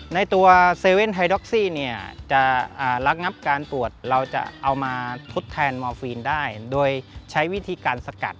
ในตัวเซเว่นไฮดอกซี่รักงับการตรวจจะฐดแทนมอเฟนได้โดยใช้วิธีการสกัด